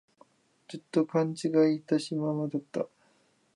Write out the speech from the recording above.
ずっと勘違いしたままだった